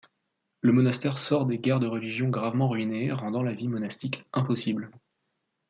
Le monastère sort des guerres de religion gravement ruiné, rendant la vie monastique impossible.